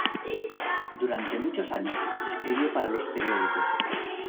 Durante muchos años escribió para los periódicos.